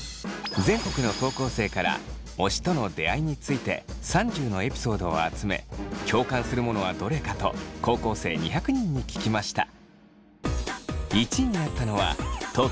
全国の高校生から推しとの出会いについて３０のエピソードを集め共感するものはどれかと高校生２００人に聞きました。